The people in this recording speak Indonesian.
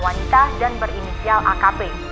wanita dan berinisial akp